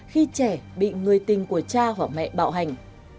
khi trẻ bị người tình của cha và mẹ bạo hành